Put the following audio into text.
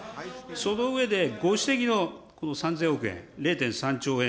その上で、ご指摘の３０００億円、０．３兆円